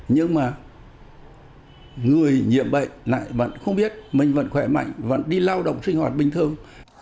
nhưng mà người nhiễm bệnh lại vẫn không biết mình vẫn khỏe mạnh vẫn đi lao động sinh hoạt bình thường